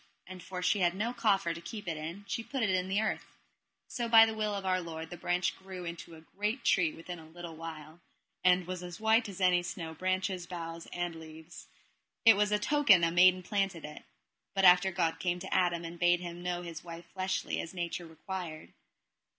And for she had no coffer to keep it in, she put it in the earth. So by the will of Our Lord the branch grew to a great tree within a little while, and was as white as any snow, branches, boughs, and leaves: that was a token a maiden planted it. But after God came to Adam, and bade him know his wife fleshly as nature required.